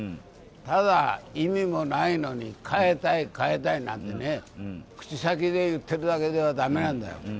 ただ、意味もないのに変えたい変えたいなんてね、口先で言ってるだけでは駄目なんだよ。